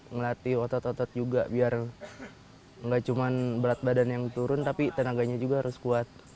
ngelatih otot otot juga biar nggak cuma berat badan yang turun tapi tenaganya juga harus kuat